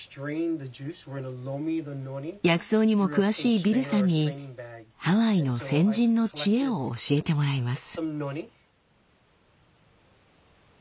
薬草にも詳しいビルさんにハワイの先人の知恵を教えてもらいます。